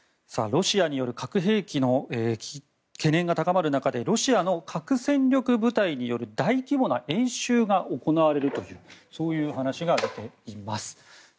ロシアによる核兵器の懸念が高まる中でロシアの核戦力部隊による大規模な演習が行われるという話が出ています。